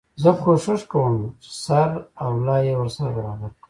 زه کوښښ کوم چي سر او لای يې ورسره برابر کړم.